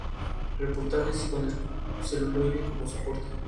Reportajes con el celuloide como soporte.